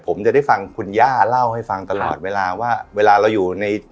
ผมจะได้ฟังคุณย่าเล่าให้ฟังตลอดเวลาว่าเวลาเราอยู่ใน